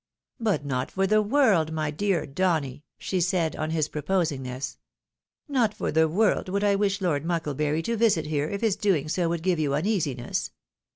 " But not for the world, my dear Donny," she said, on his proposing this, " not for the world would I wish Lord Muckle bury to visit here, if his doing so would give you uneasiness.